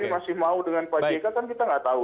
masih mau dengan pak jk kan kita nggak tahu